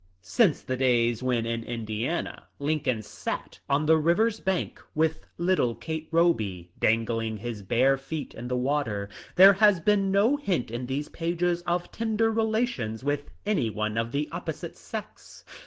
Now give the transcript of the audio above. Since the days when in Indiana Lincoln sat on the river's bank with little Kate Roby, dangling his bare feet in the water, there has been no hint in these pages of tender relations with any one of the opposite sex.